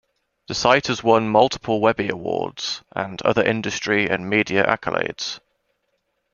The site has won multiple Webby Awards and other industry and media accolades.